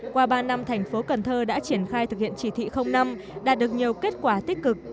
qua ba năm thành phố cần thơ đã triển khai thực hiện chỉ thị năm đạt được nhiều kết quả tích cực